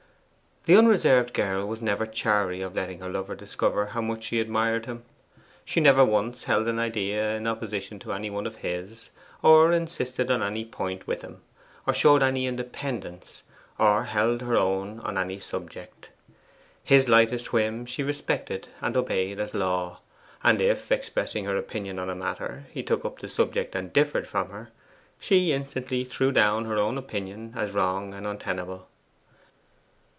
The unreserved girl was never chary of letting her lover discover how much she admired him. She never once held an idea in opposition to any one of his, or insisted on any point with him, or showed any independence, or held her own on any subject. His lightest whim she respected and obeyed as law, and if, expressing her opinion on a matter, he took up the subject and differed from her, she instantly threw down her own opinion as wrong and untenable.